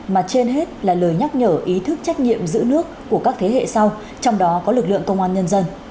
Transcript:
mà trên hết là lời nhắc nhở ý thức trách nhiệm giữ nước của các thế hệ sau trong đó có lực lượng công an nhân dân